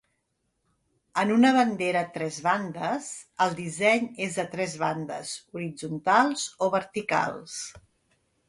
En una bandera tres bandes, el disseny és de tres bandes horitzontals o verticals.